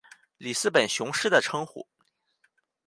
里斯本雄狮的称呼。